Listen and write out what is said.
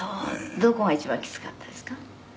どこが一番きつかったですか？」